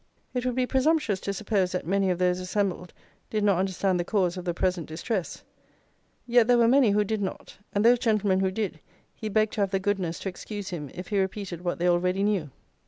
It would be presumptuous to suppose that many of those assembled did not understand the cause of the present distress, yet there were many who did not; and those gentlemen who did, he begged to have the goodness to excuse him if he repeated what they already knew.